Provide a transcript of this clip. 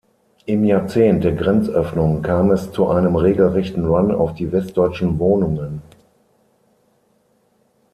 Im Jahrzehnt der Grenzöffnung kam es zu einem regelrechten Run auf die westdeutschen Wohnungen.